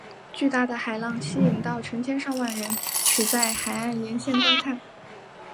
巨大的海浪吸引到成千上万人取在海岸沿线观看。